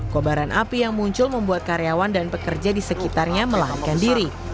kobaran api yang muncul membuat karyawan dan pekerja di sekitarnya melarikan diri